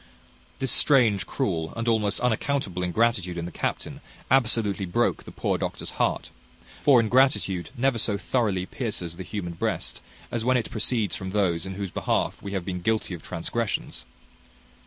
This strange, cruel, and almost unaccountable ingratitude in the captain, absolutely broke the poor doctor's heart; for ingratitude never so thoroughly pierces the human breast as when it proceeds from those in whose behalf we have been guilty of transgressions.